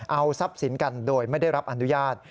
เอาทรัพย์สินกันโดยไม่ได้รับอนุญาต